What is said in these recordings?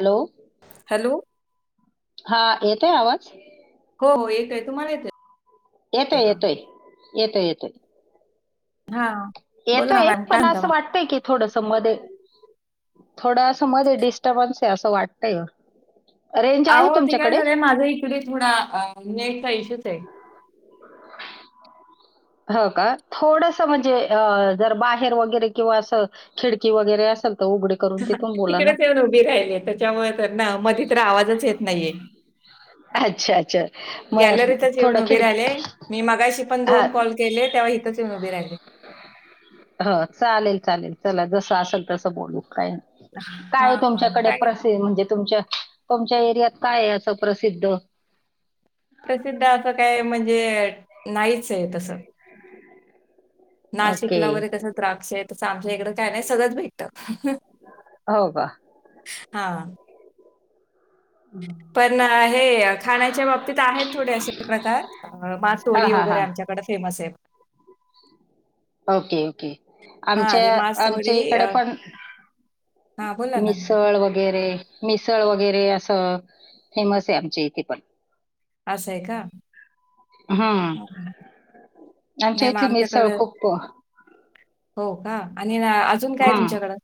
Hello hello हा येतय आवाज हो हो एक आहे तुम्हाला येत येतोय येतोय येतोय येतोय हा बोला येतो ना एक मॅम काय पण म्हणता असं मग? वाटतय की थोडस मध्ये थोडं असं मध्ये डिस्टर्बन्स आहे असं वाटतय. अहो ते काय झालं माझा इकडे थोडा नेटचा इश्यूच आहे. ब हो का थोडस म्हणजे अ जर बाहेर वगैरे किंवा असं खिडकी वगैरे असेल तर उघड तिकडेच येऊन उभी राहिली त्याच्यामुळे तर ना मध्ये तर आवाजच येत नाहीये. अच्छा अच्छा मग गॅलरीतच येऊन थोडं उभी राहिले खिडकी मी मगाशी पण दोन कॉल केले तेव्हा इथंच मी उभे राहिले. ह चालेल चालेल चला जस असेल तसं बोलू काही नाही हा काय हा तुमच्याकडे काय प्रश् म्हणजे तुमच्या तुमच्या एरियात काय असं प्रसिद्ध प्रसिद्ध असं काय म्हणजे नाईच आहे तसं. नाशिकला ओके वगैरे कसं द्राक्ष तसं आमच्या इकडं काय नाही सगळंच भेट. हो का हा पण हे खाण्याच्या बाबतीत आहेत थोडे असे प्रकार अ हा मासवडी हा हा वगैरे आमच्याकडे फेमस आहे ओके ओके हां, ते आमच्या आमच्या मासवडी इकडे अ, पण हां, बोला ना. मिसळ वगैरे मिसळ वगैरे असं फेमस आहे आमचे इथे पण असं आहे का हम्म आमच्या नाही मग इथली मिरसळ आमच्याकडं खप्पो हो का आणि अजून काय हम्म तुमच्याकडे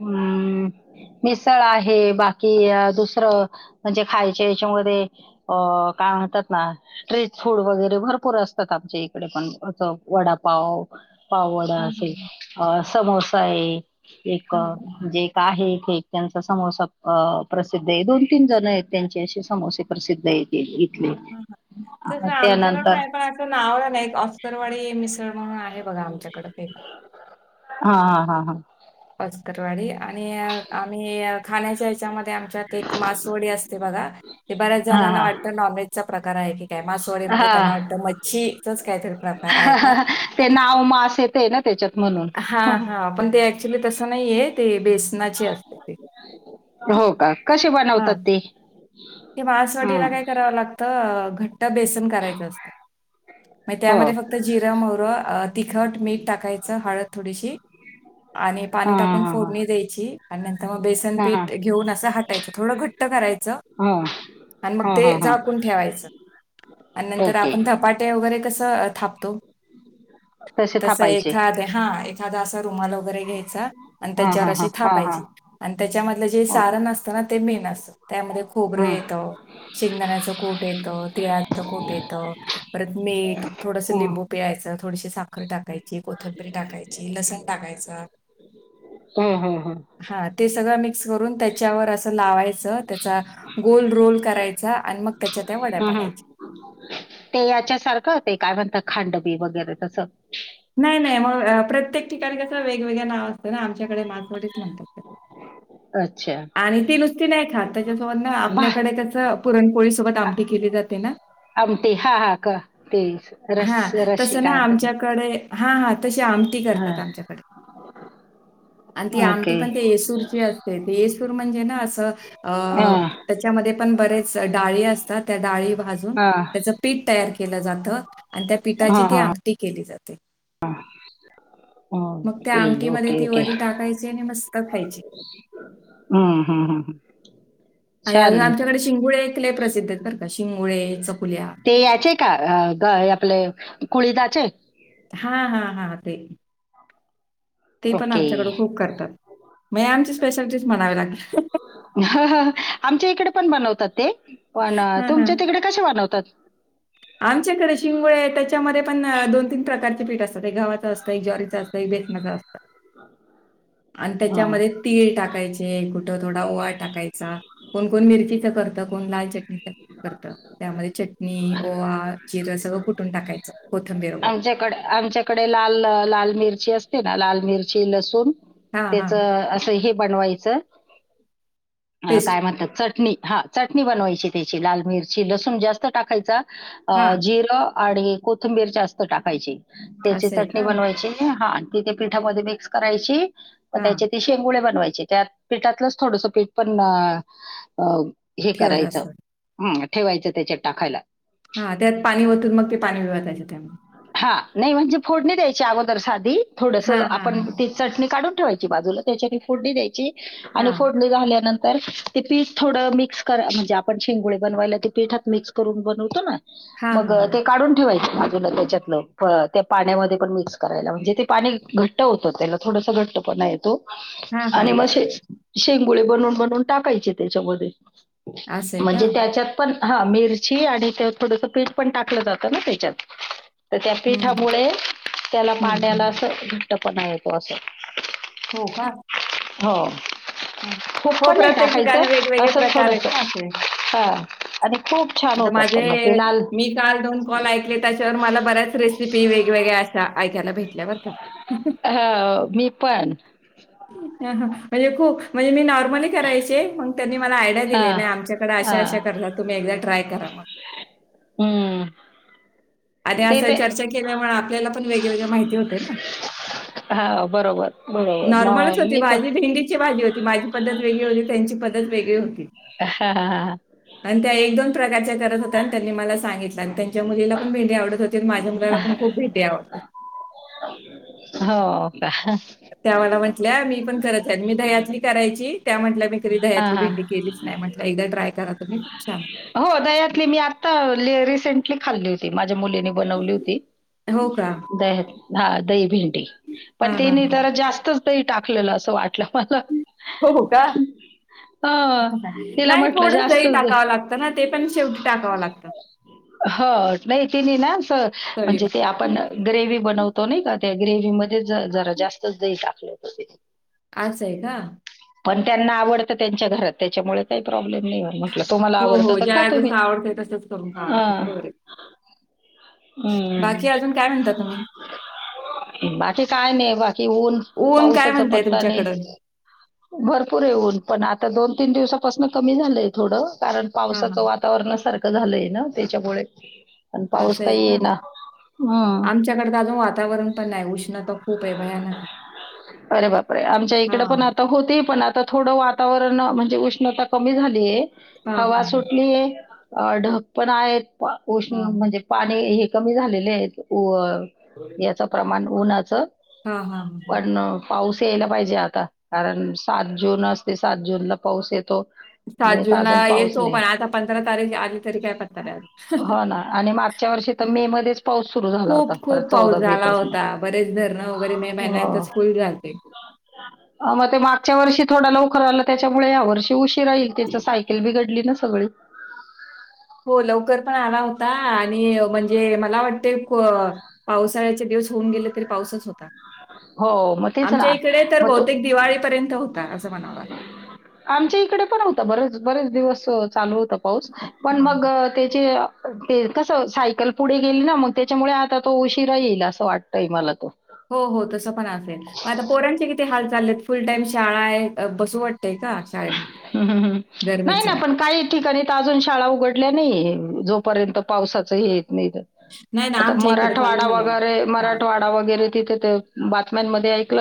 हम्म मिसळ आहे बाकी दुसरं म्हणजे खायचे याच्यामध्ये अ काय म्हणतात ना ट्ट्रीट फूड वगैरे भरपूर असतात आमच्या इकडे पण अस वडापाव पावडा हां, हां, असे समोसा आहे एक हां, हां, म्हणजे आहेथ एक त्यांचा समोसा अ प्रसिद्ध आहे दोन तीन जण आहेत त्यांचे असे समोसे प्रसिद्ध आहेत. इथली हां, त्यानंतर नावला नाही एक ऑस्करवाडी मिसळ म्हणून आहे बघा आमच्याकडे फेक हा हा हा हा पस्तरवाडी आणि आम्ही खाण्याच्या याच्यामध्ये आमच्यात एक मासवडी असते बघा. ते बऱ्याच हा जणांना वाटतं नॉनव्हेजचा प्रकार आहे की काय मासवाडी हा म्हणजे हा त्यांना वाटतं मच्छीचच काय तर ते नाव मास येतेय ना त्याच्यात म्हणून हा हा पण ते ऍक्च्युली तसं नाही आहे ते बेसनाची असते ते हो का कशी हां, बनवतात ते ती ह मासवडीला काय करावं लागतं घट्ट बेसन करायचं असतं म हो त्यामध्ये फक्त जिरा मोरं तिखट मीठ टाकायचं हळद थोडीशी आणि पाणी हां टाकून हां हां फोडणी द्यायची आणि नंतर मग बेसन हां हां पीठ घेऊन असं हात च थोडं घट्ट करायचं हा आणि मग ते झाकून ठेवायचं आणि नंतर ओके आपण धपाट वरे तसे एख थापायचे एखादा असा रुमाल वगैरे घ्यायचा आणि हां त्याच्यावर हां अशी हां हां हां थापायची आणि त्याच्यामधलं जे ओके सारण अस असना ते मेन असत त्यामध्ये खोबरं हां हां येतं. शेंगदाण्याचं कूट येतं तिळाचं कूट येतं. परत मीठ थोडसं हो लिंबू पियायचं थोडीशी साखर टाकायची कोथंबीर टाकायची. लसण टाकायचा ह हा हा हा ते सगळं मिक्स करून त्याच्यावर लावायच त्याचा गोल रोल करायचा आणि मग त्याच्या त्या वड्या हं, हं. पाडायच्या ते याच्या सारखं ते काय म्हणत खांडबी वगैरे तसं नाही नाही मग प्रत्येक ठिकाणी कसं वेगवेगळं नाव असतं ना आमच्याकडे मासवडीच म्हणतात अच्छा आणि ती नुसती नाही खात त्याच्यासोबत ना भा आपल्याकडे त्याच पुरणपोळी सोबत आ आमठी केली जाते ना आमटी हा हा का तेच हा तस ना आमच्याकडे हा हा तसे आम करतात हां आमच्याकडे आणि ती आमटी ओके पण ते येसूरची अस ते येशूर म्हणजे ना असं अ हां त्याच्यामध्ये पण बरेच डाळी असतात त्या डाळी भाजुन हां त्याच पीठ तयार केलं जात आणि त्या हां पीठाची ती हां अटी केली जाते हां मग त्या ओके आमटी म ओके ती वरी टाकायची आणि मस्त खायची हम हम् हम ह आणि अज आमच्याकडे शिंगोळेले प्रसिद्ध आहेत बर का शिंगोळे चकुल्या ते याचे का आपले कुळीदाचे हा हा हा ते ते पण ओके. आमच्याकड खूप करतात मग आमची स्पेशल डिश म्हणावी लागेल. ह आमच्या इकडे पण बनवतात ते पण हां, हां. तुमच्या तिकडे कसे बनवतात. आमच्याकडे शिंगोळे त्याच्यामध्ये पण दोन तीन प्रकारचे पीठ असत. गव्हाचं असतं ज्वारीचं असतं बेसनाचे असतं आणि हं. त्याच्यामध्ये तीळ टाकायचे कुठं थोडा ओवा टाकायचा कोण कोण मिरचीच करतं कोण लाल चटणीच करत त्यामध्ये चटणी पोहा जिरं सगळं कुठून टाकायचं कोथंबीरोबरे आमच्या तकडे लाल लाल मिरची असते ना लाल मिरची लसूण हां, हां. त्याच हे बनवायचं पेस्ट. काय म्हणतात चटणी हा चटणी बनवायची त्याची लाल मिरची लसूण जास्त टाकायचा अ हां, जिरं आणि कोथिंबीर जास्त टाकायची त्याची असं आहे चटणी का? बनवायची हां तथ पिठामध्ये मिक्स करायची त्या हां, चेंगुळे बनवायचे त्या पीठातलंच थोडस पीठ पण हे ठेवत करायचं असतात. हम्म ठेवायचं त्याच्यात टाकायला हा त्यात पाणी होतून मग ते पाणी भवतायचे त्यामुळे हा नाही म्हणजे फोडणी द्यायची अगोदर साधी थोडस हां, आपण हां, चटणी काढून ठेवायची बाजूला त्याच्या फोडणी द्यायची आणि हां. फोडणी झाल्यानंतर ते पीठ थोडं मिक्स म्हणजे आपण शेंगोळे बनवायला ते पीठात मिक्स करून बनवतो ना हां, मग हां. ते काढून ठेवायच बाजूला त्याच्यात त्या पाण्यामध्ये पण मिक्स करायला म्हणजे ते पाणी घट्ट होतं त्याला थोडस घट्ट पण येतो हां, हां, आणि हां. मसे शेंगुळे बनून बनवून टाकायचे त्याच्यामध्ये असं आहे का? म्हणजे त्याच्यात पण हा मिरची आणि त्या थोडसं पीठ पण टाकलं जातं ना त्याच्यात तर त्या हं, हं. पिठामुळे त्याला हं, पाण्याला अस हं. घट्टपणा येतो असं हो का? हो हां. खोप हो, पण नाही प्रत्येक टाकायचं ठिकाणी वेगवेगळे असं प्रकार आहेत थोडस ना असे. हा आणि खूप छान आता होतात माझे पण मग ते लाल मी काल दोन पॉल ऐकले त्याच्यावर मला बऱ्याच रेसिपी वेगवेगळ्या अशा ऐकायला भेटल्या बघ हा मी पण ह म्हणजे खूप म्हणजे मी नॉर्मली करायचे त्यांनी मला आयडि हा दिले नाही आमच्याकडे हा अशा अशा करतात तुम्ही एकदाम ट्राय करा मग हम्म आणि ते असा ते चर्चा केल्यामुळे आपल्याला पण वेगळे वेगळ्या माहिती होते ना हा बरोबर बरोबर नॉर्मलच मग होती मी पण भाजी भेंडीची भाजी होती माझी पद्धत वेगळी होती त्यांची पद्धत वेगळी होती हा हा हा ह आणि त्या एक दोन प्रकारच्या करत होत आणि त्यांनी मला सांगितलं आणि त्यांच्या मुलीला पण भेंडी आवडत होते माझ्या मुलाला पण खूप भेटे आवते हो का त्या मला म्हटल्या मी पण करत आहे मी द्यातली करायची त्या म्हटल्या मी री दह्यातली हा. भेंडी केलीच नाही म्हटलं एकदा ट्राय करा तुम्ही छान हो दयातली मी आता रिसेंटली खाल्ली होती माझ्या मुलीने बनवली होती हो का द हा दही भेंडी पण हा हा तेनी तर जास्तच तेही टाकलेलं असं वाटलं मला हो हो का हा तिला नाही म्हटलं थोडं दही जास्तच टाकावं लागतं ना ते पण शेवटी टाकावं लागतं हो नाही ति नाही ना म्हणजे चवीला ते आपण ग्रेवही बनवतो नाही का त्या ग्रेवही मध्ये जरा जास्त दही टाकलं हो आच आहे का पण त्यांना आवडतं त्यांच्या घरात त्याच्यामुळे काही प्रॉब्लेम नाही हो मग तुम्हाला हो आवडत हो तर ख ज्याला तुम्ही जसं आवडतंय तसंच करून खावं ह लागतं बरोबर आहे बाकी हम् अजून काय म्हणता तुम्ही बाकी काय नाही बाकी ऊन काय पावसाचा म्हणताय पत्ता नाही तुमच्याकडं? भरपूर येऊन पण आता दोन तीन दिवसापासून कमी झालंय थोडं कारण हां, हां. पावसाचं वातावरण सारखं झालंय ना त्याच्यामुळे पण पाऊस काही ये ना आमच्याकडता अजून वातावरण पण नाही उष्णता खूप आहे भयानक अरे बापरे आमच्या इकडे पण हां. आता होते पण आता थोडं वातावरण म्हणजे उष्णता कमी झालीय हां, हवा हां, सुटलीय अ ढक पण आहे उष्ण हां. म्हणजे पाणी हे कमी झालेले आहेत याचं प्रमाण उन्हाचं हां, हां, हां. पण पाऊस यायला पाहिजे आता कारण सात जून असते सात जूनला पाऊस येतो सात आणि आता जूनला अजून पाऊस यच हो नाही पण आता पंधरा तारीख आली तरी काय प हो ना आणि मागच्या वर्षी तर मे मध्येच पाऊस सुरू झाला होता खूप परत खूप पाऊस चौदा मे झाला पासून होता बरेच धरण वगैरे मे महिन्यात हो फुल राहते [inaudible] मग ते मागच्या वर्षी थोडा लवकर आला त्याच्यामुळे ह्या वर्षी उशीर राहील त्याच्या सायकल बी घडली ना सगळी हो लवकर पण आला होता आणि म्हणजे मला वाटते पावसाळ्याचे दिवस होऊन गेले तरी पावसच होता हो मग तेच आमच्या ना इकडे तर मग तो बहुतेक दिवाळीपर्यंत होता असं म्हणावं लागत आमच्या इकडे पण होत बरेच बरेच दिवस चालू होत पाऊस पण हां. मग त्याचे ते कस सायकल पुढे गेली ना मग त्याच्यामुळे आता तो उशिरा येईल असं वाटतय मला तो हो हो तसं पण असेल प आता पोर्यांचे किती हाल चाललेत फुल टाइम शाळा आहे बसूट हम् हम् हम् नाही ना गरमीचं? पण काही ठिकाणी तर अजून शाळा उघडल्या नाही जोपर्यंत पावसाचही येत नाही नाही ना, आता आमच्या इकडे चालू मराठवाडा झाल्या वगैरे शाळा. मराठवाडा वरे तथ बातम्यां ऐक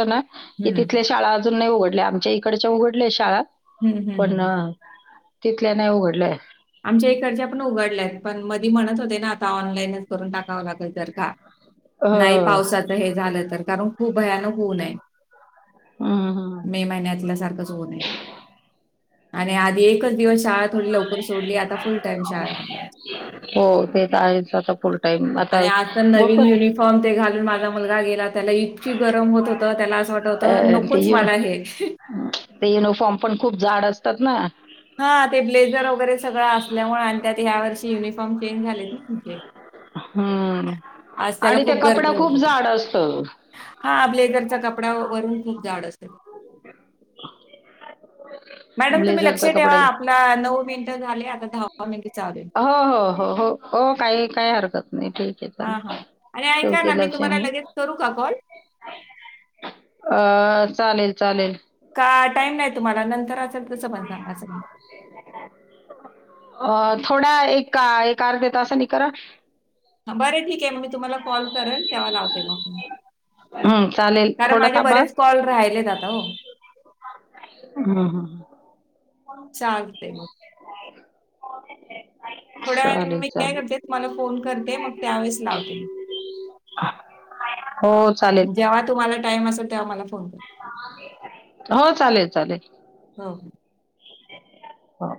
हं. तथ श अज नाही उघडले आमच्या इकडच्या उघडल्या शाळा हं, हं, हं, पण हं. तिथल्या नाही उघडलंय आमच्या इकर्च्या पण उघडल्यात पण मधी म्हणत होते ना आता ऑनलाईनच करून टाकावं लागेल जर का अ, नाही पावसाात हे झालं तर कारण खूप भयानक होऊनय हम हम म आध एक दिवस शाळा थ लव. सोडली आता फुल टाइम शाळेत. हो ते तर आहेच आता पुढ. आणि आज तर नवीन युनिफॉर्म ते घालून माझा मुलगा गेला त्याला इतकी गरम होत होत त्याला असं वाटत. अ, तर ते नकोच युन मला हे. युनिफॉर्म पण खूप झाड असतात ना. हा ते ब्लेजर वगैरे सगळं असल्यामुळे आणि त्यात ह्या वर्षी युनिफॉर्म चेंज झालेत ना तुचे. हम्म आणि त्या कपड्या खूप झाड असत. हा ब्लेझरचा कपडा वरून खूप झाड असेल. मॅडम तुम्ही लक्ष ब्लेझरचा ठेवा कपडा. आपला नऊ मिनिटं झाले आता दहावा मिनिट चाव देल. हो हो हो हो हो काही काही हरकत नाही ठीक. हां, हां. आणि ठेव ऐका ते ना मी लागश. तुम्हाला लगेच करू का कॉल? अ चालेल चालेल. का टाईम नाही तुम्हाला नंतर असेल तसं पण सांगं. अ थोड्या एक एक अर्धेत असं नि क. बरं ठीक आहे मग मी तुम्हाला कॉल करेल तेव्हा लावते मागून हं, चालेल. कारण थोडं माझे थांबा. बरेच हं, कॉल राहिलेत आता हो हम हम ह सांगते मग हो थोड्या वेळ मी काय करते तुम्हाला फोन करते मग त्यावेळेस लावते मी. हम्. जेव्हा तुम्हाला टाइम असेल तेव्हा मला फोन कररा. हो चालेल चालेल. हो हो. हो.